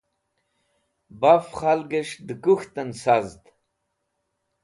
Baf khalgẽs̃h dẽ kũk̃htẽn sazd.